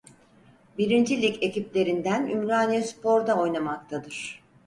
Birinci Lig ekiplerinden Ümraniyespor'da oynamaktadır.